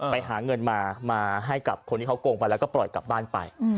ไปหาเงินมามาให้กับคนที่เขาโกงไปแล้วก็ปล่อยกลับบ้านไป